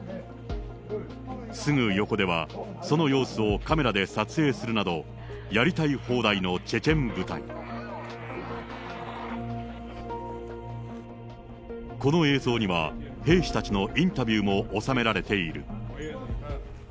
すぐ横では、その様子をカメラで撮影するなど、やりたい放題のチェチェン部隊。この映像には、兵士たちのインタビューも収められている。